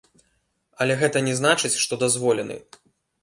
Але гэта не значыць, што дазволены.